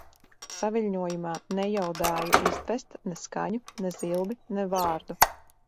Saviļņojumā nejaudāju izdvest ne skaņu, ne zilbi, ne vārdu.